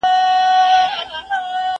هغه څوک چي سپينکۍ مينځي روغ وي!!